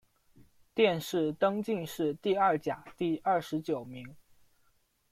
殿试登进士第二甲第二十九名。